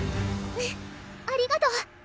うんありがとう！